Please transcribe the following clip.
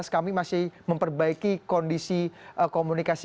kami masih memperbaiki kondisi komunikasi